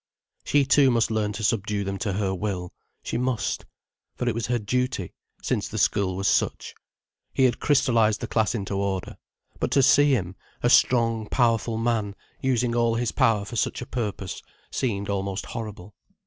She too must learn to subdue them to her will: she must. For it was her duty, since the school was such. He had crystallized the class into order. But to see him, a strong, powerful man, using all his power for such a purpose, seemed almost horrible.